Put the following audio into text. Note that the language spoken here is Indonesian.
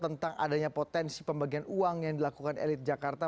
tentang adanya potensi pembagian uang yang dilakukan elit jakarta